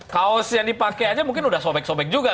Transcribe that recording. kaos yang dipakai aja mungkin udah sobek sobek juga